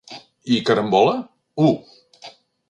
I “Carambola”? u.